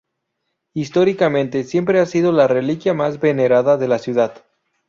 Históricamente siempre ha sido la reliquia más venerada de la ciudad.